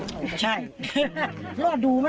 คือชาวบ้านก็คงเห็นว่าตำรวจมา